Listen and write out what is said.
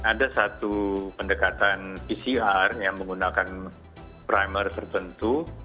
ada satu pendekatan pcr yang menggunakan primer tertentu